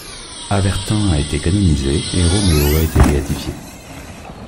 Avertain a été canonisé, et Roméo a été béatifié.